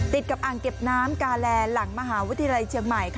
ติดกับอ่างเก็บน้ำกาแลหลังมหาวิทยาลัยเชียงใหม่